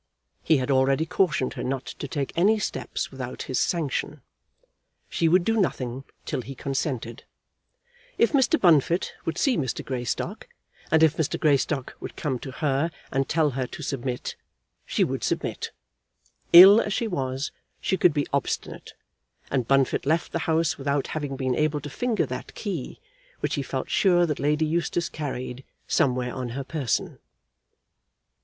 He had already cautioned her not to take any steps without his sanction. She would do nothing till he consented. If Mr. Bunfit would see Mr. Greystock, and if Mr. Greystock would come to her and tell her to submit, she would submit. Ill as she was, she could be obstinate, and Bunfit left the house without having been able to finger that key which he felt sure that Lady Eustace carried somewhere on her person.